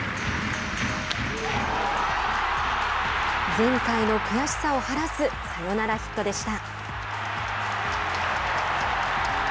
前回の悔しさを晴らすサヨナラヒットでした。